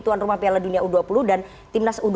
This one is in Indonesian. tuan rumah piala dunia u dua puluh dan timnas